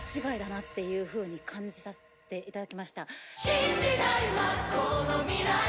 「新時代はこの未来だ」